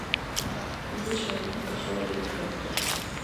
Изиш лиймек, пычал йӱк шоктыш.